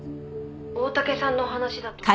「大竹さんの話だと」